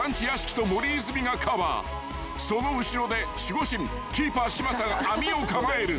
［その後ろで守護神キーパー嶋佐が網を構える］